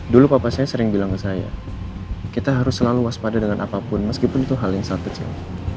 dulu papa saya sering bilang ke saya kita harus selalu waspada dengan apapun meskipun itu hal yang sangat kecil